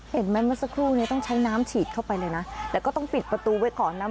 เมื่อสักครู่นี้ต้องใช้น้ำฉีดเข้าไปเลยนะแต่ก็ต้องปิดประตูไว้ก่อนนะ